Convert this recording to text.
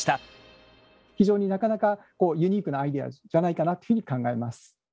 非常になかなかユニークなアイデアじゃないかなっていうふうに考えます。